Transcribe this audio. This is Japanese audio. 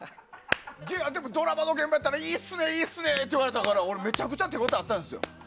でも、ドラマの現場やったら、いいっすねって言われたから、めちゃくちゃ手応えあったんですよ。